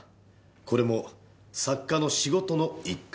これも作家の仕事の一環。